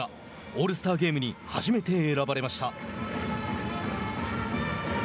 オールスターゲームに初めて選ばれました。